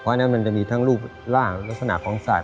เพราะฉะนั้นมันจะมีทั้งรูปร่างลักษณะของสัตว